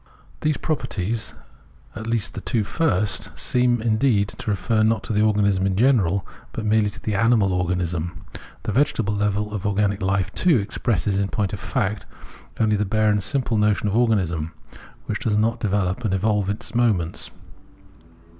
These pro perties, at least the two first, seem indeed to refer not to the organism in general, but merely to the animal organism. The vegetable level of organic life, too, expresses in point of fact only the bare and simple Observation of Organic Nature 257 notion of organism, whicli does not develop and evolve its moments.